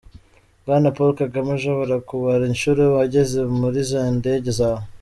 Bwana Paul Kagame , ushobora kubara inshuro wagenze muri zandege zawe?